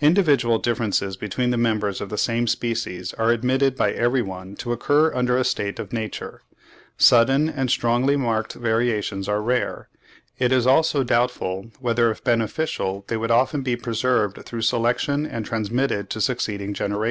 Individual differences between the members of the same species are admitted by every one to occur under a state of nature. Sudden and strongly marked variations are rare; it is also doubtful whether if beneficial they would often be preserved through selection and transmitted to succeeding generations.